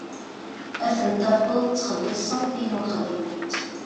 Ad tent-tafeḍ ttxelisent ayen ur xdiment.